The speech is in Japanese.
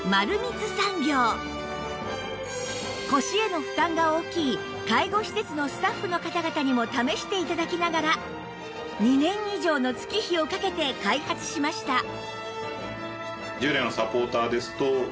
腰への負担が大きい介護施設のスタッフの方々にも試して頂きながら２年以上の月日をかけて開発しました